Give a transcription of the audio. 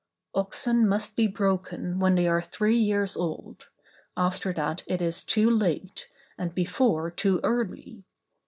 Oxen must be broken when they are three years old; after that it is too late, and before too early.